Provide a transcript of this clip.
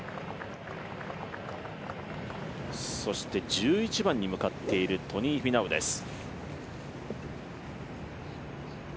１１番に向かっているトニー・フィナウです。